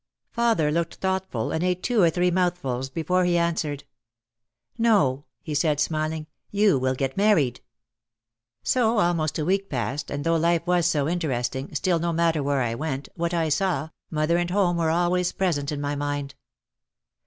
Father looked thoughtful and ate two or three mouth fuls before he answered. "No," he said smiling. "You will get married." So, almost a week passed and though life was so in teresting, still no matter where I went, what I saw, moth er and home were always present in my mind.